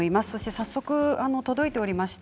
早速、届いています。